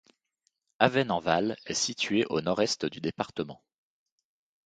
Avesnes-en-Val est située au nord-est du département.